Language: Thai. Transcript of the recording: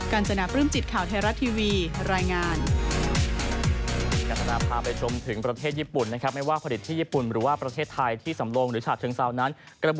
กัญญาปรึ่มจิตข่าวไทยรัตน์ทีวีรายงาน